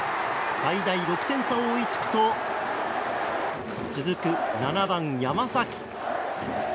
最大６点差を追いつくと続く７番、山崎。